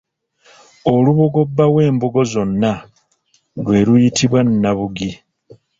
Olubugo bba w'embugo zonna lwe luyitibwa nabugi